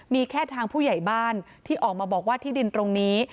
มีแค่ทางผู้ใหญ่บ้านที่ออกมาบอกว่าที่ดินตรงนี้